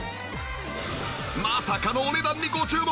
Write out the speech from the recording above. まさかのお値段にご注目！